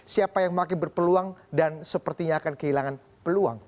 siapa yang makin berpeluang dan sepertinya akan kehilangan peluang